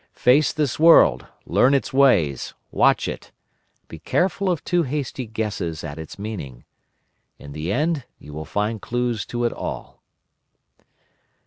Face this world. Learn its ways, watch it, be careful of too hasty guesses at its meaning. In the end you will find clues to it all.